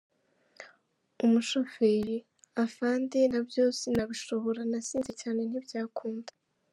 Umushoferi : “Afande, na byo sinabishobora nasinze cyane ntibyakunda !!!”.